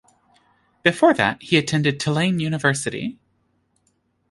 Before that, he attended Tulane University.